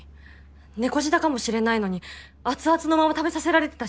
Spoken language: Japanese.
猫舌かもしれないのに熱々のまま食べさせられてたし。